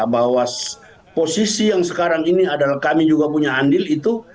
bahwa posisi yang sekarang ini adalah kami juga punya andil itu